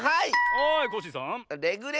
はいコッシーさん。